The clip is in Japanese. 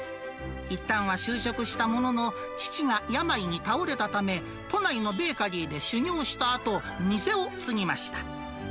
いったんは就職したものの、父が病に倒れたため、都内のベーカリーで修業したあと、店を継ぎました。